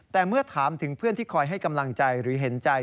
แต่เมื่อถามถึงเพื่อนที่คอยให้กำลังใจหรือเห็นใจ